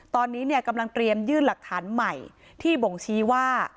ตอนนี้เนี่ยกำลังเตรียมยื่นหลักฐานใหม่ที่บ่งชี้ว่า